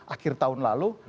akhir tahun lalu